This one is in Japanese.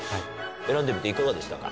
選んでみていかがでしたか？